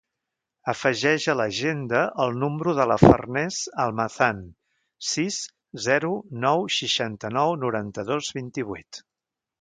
Afegeix a l'agenda el número de la Farners Almazan: sis, zero, nou, seixanta-nou, noranta-dos, vint-i-vuit.